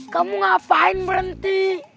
kamu ngapain berhenti